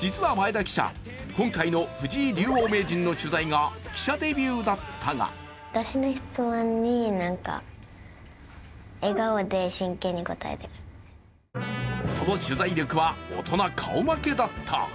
実は前田記者、今回の藤井竜王名人の取材が記者デビューだったがその取材力は大人顔負けだった。